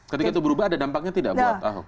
ketika itu berubah ada dampaknya tidak buat ahok